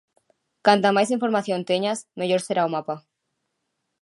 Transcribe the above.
Canta máis información teñas, mellor será o mapa.